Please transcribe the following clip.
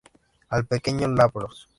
Al pequeño Davros.